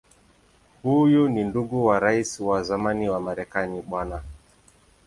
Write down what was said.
Huyu ni ndugu wa Rais wa zamani wa Marekani Bw.